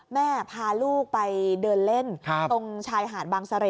พาลูกไปเดินเล่นตรงชายหาดบางเสร่